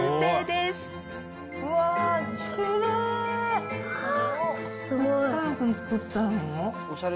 すごい。